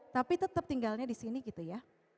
tapi tetap tinggalnya di sini gitu ya